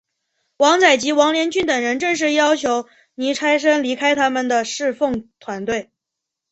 王载及王连俊等人正式要求倪柝声离开他们的事奉团队。